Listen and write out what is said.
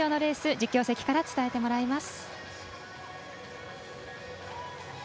実況席から伝えてもらいます。